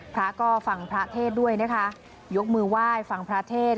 พระก็ฟังพระเทศด้วยนะคะยกมือไหว้ฟังพระเทศ